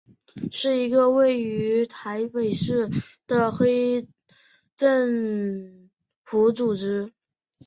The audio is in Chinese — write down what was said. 是一个位于台北市的非政府组织。